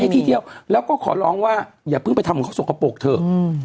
ที่เที่ยวแล้วก็ขอร้องว่าอย่าเพิ่งไปทำของเขาสกปรกเถอะ